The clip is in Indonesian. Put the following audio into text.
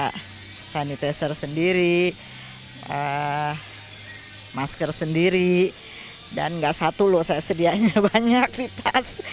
ada sanitizer sendiri masker sendiri dan nggak satu loh saya sedianya banyak di tas